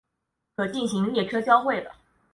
可进行列车交会的。